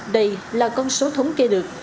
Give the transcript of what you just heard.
đây là con số thống kê được